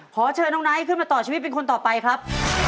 ขอเชิญน้องไนท์ขึ้นมาต่อชีวิตเป็นคนต่อไปครับ